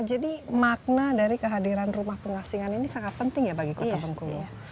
jadi makna dari kehadiran rumah pengasingan ini sangat penting ya bagi kota bengkulu